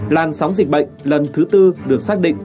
làn sóng dịch bệnh lần thứ tư được xác định